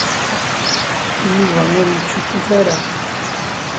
Yuba ur yettcukkut ara.